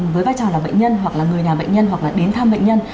với vai trò là bệnh nhân hoặc là người nhà bệnh nhân hoặc là đến thăm bệnh nhân